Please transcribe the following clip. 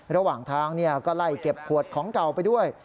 ระหว่างทางก็ไล่เก็บขวดของเก่าไปด้วย